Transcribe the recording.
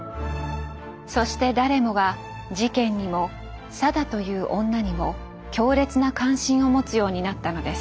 そして誰もが事件にも定という女にも強烈な関心を持つようになったのです。